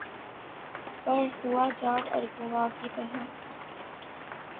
پر ہوا جام ارغواں کی طرح